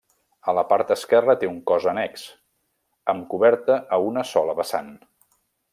A la part esquerra té un cos annex, amb coberta a una sola vessant.